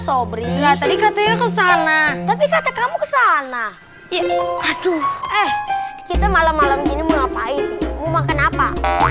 sobrinya tadi katanya kesana tapi kamu kesana aduh kita malam malam ngapain mau makan apa